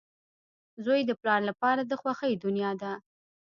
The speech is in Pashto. • زوی د پلار لپاره د خوښۍ دنیا ده.